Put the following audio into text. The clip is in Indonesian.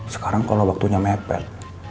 sekarang kalau waktunya mepet